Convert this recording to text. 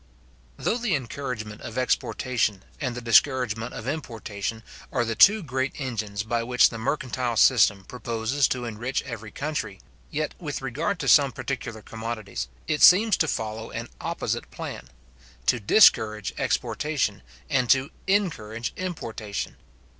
Though the encouragement of exportation, and the discouragement of importation, are the two great engines by which the mercantile system proposes to enrich every country, yet, with regard to some particular commodities, it seems to follow an opposite plan: to discourage exportation, and to encourage importation.